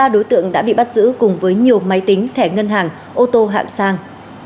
ba đối tượng đã bị bắt giữ cùng với nhiều máy tính thẻ ngân hàng ô tô hạng sang